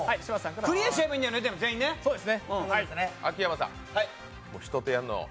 クリアしちゃえばいいんだよね、全員ね全員ガチで。